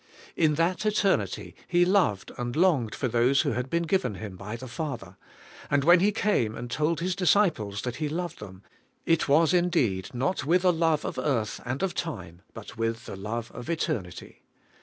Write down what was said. In that eternity He loved and longed for those who had been given Him by the Father; and when He came and told His dis ciples that He loved them, it was indeed not with a ; love of earth and of time, but with the love of eter i nity.